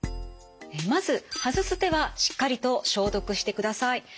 まず外す手はしっかりと消毒してください。